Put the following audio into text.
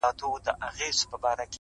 نه د پردي نسیم له پرخو سره وغوړېدم-